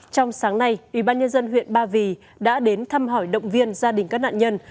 trong sáng nay ủy ban nhân dân huyện ba vì đã đến thăm hỏi động viên gia đình các nạn nhân